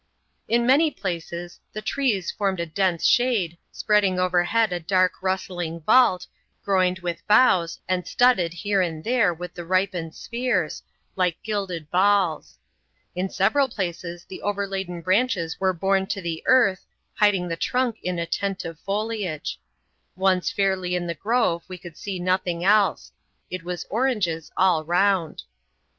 In many places the trees formed a dense shade, spreading overhead a dark, rustling vault, groined with boughs, and sladded here and there with the ripened spheres, like gilded balJg. In several places, the overlad^Ti \iTMxchftia were borne to WAF. xxxL] THE CALABOOZA BERETANEE. laa the earth, biding the trunk in a tent of foliage. Once fairly in the grove, we could see nothing else : it was oranges all round.